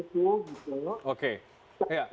peraturan menjadi aturan kita